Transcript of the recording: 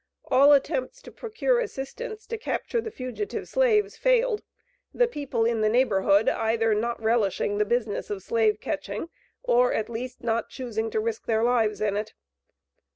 All attempts to procure assistance to capture the fugitive slaves failed, the people in the neighborhood either not relishing the business of slave catching, or at least, not choosing to risk their lives in it.